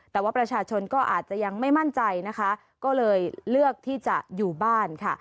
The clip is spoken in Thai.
แต่ว่าประชาชนก็อาจจะยังไม่มั่นใจนะคะก็เลยเลือกที่จะอยู่บ้านค่ะ